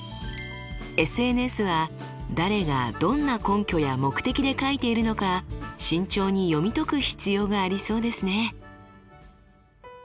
ＳＮＳは誰がどんな根拠や目的で書いているのか慎重に読み解く必要がありそうですね。